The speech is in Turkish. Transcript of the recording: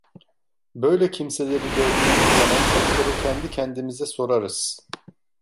Böyle kimseleri gördüğümüz zaman çok kere kendi kendimize sorarız.